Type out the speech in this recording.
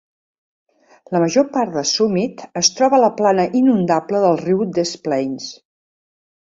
La major part de "Summit" es troba a la plana inundable del riu Des Plaines.